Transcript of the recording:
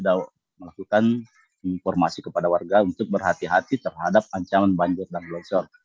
kita melakukan informasi kepada warga untuk berhati hati terhadap ancaman banjir dan longsor